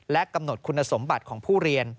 และกำหนดคุณสมบัติของผู้เรียน